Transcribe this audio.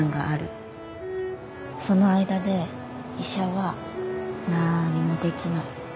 その間で医者は何もできない。